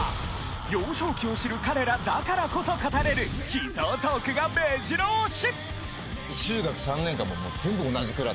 幼少期を知る彼らだからこそ語れる秘蔵トークが目白押し！